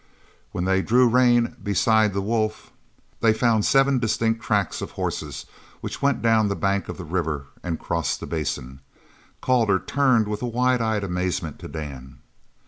When they drew rein beside the wolf, they found seven distinct tracks of horses which went down the bank of the river and crossed the basin. Calder turned with a wide eyed amazement to Dan.